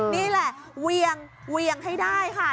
นี่แหละวิ่งวิ่งให้ได้ค่ะ